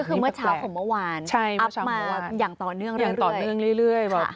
ก็คือเมื่อเช้าของเมื่อวานอัพมาอย่างต่อเนื่องเรื่อย